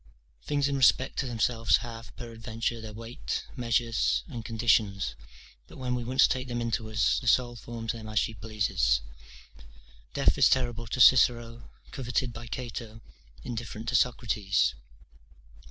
Things in respect to themselves have, peradventure, their weight, measures, and conditions; but when we once take them into us, the soul forms them as she pleases. Death is terrible to Cicero, coveted by Cato, indifferent to Socrates.